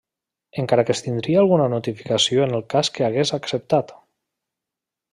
Encara que es tindria alguna notificació en el cas que hagués acceptat.